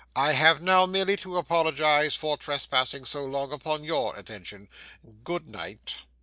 I have now merely to apologize for trespassing so long upon your attention. Good night.